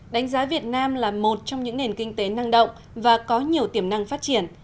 đánh giá việt nam là một trong những nền kinh tế năng động và có nhiều tiềm năng phát triển